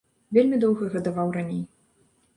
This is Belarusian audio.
Вельмі доўга гадаваў раней.